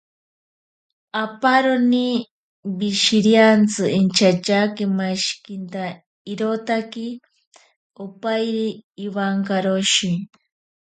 Aparoni wishiriantsi inchatyakimashikinta irotaki opairi ewankaroshi.